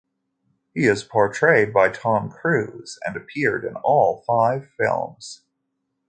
He is portrayed by Tom Cruise and appeared in all five films.